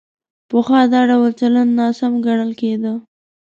پخوا دا ډول چلند ناسم ګڼل کېده.